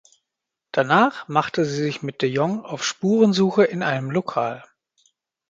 Danach macht sie sich mit de Jong auf Spurensuche in einem Lokal.